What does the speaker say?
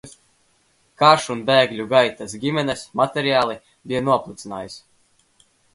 Karš un bēgļu gaitas ģimenes materiāli bija noplicinājis.